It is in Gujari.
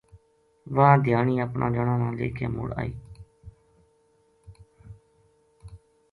واہ دھیانی اپنا جنا لے کے مُڑ آئی